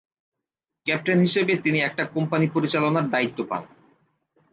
Captain হিসেবে তিনি একটা কোম্পানী পরিচালনার দায়িত্ব পান।